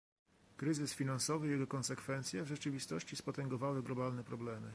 Kryzys finansowy i jego konsekwencje w rzeczywistości spotęgowały globalne problemy